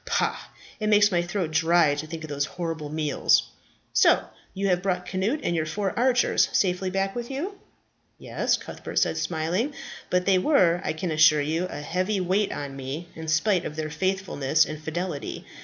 Pah! it makes my throat dry to think of those horrible meals. So you have brought Cnut and your four archers safely back with you?" "Yes," Cuthbert said, smiling, "But they were, I can assure you, a heavy weight on me, in spite of their faithfulness and fidelity.